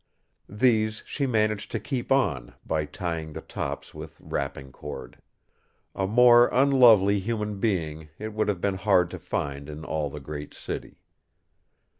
These she managed to keep on by tying the tops with wrapping cord. A more unlovely human being it would have been hard to find in all the great city.